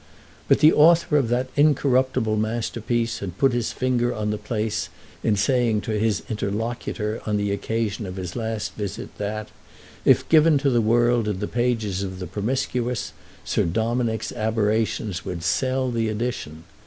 But the author of that incorruptible masterpiece had put his finger on the place in saying to his interlocutor on the occasion of his last visit that, if given to the world in the pages of the Promiscuous, Sir Dominick's aberrations would sell the edition.